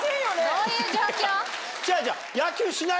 どういう状況？